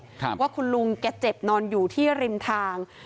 ว่าคุณลุงแกเจ็บนอนอยู่ที่ริมทาง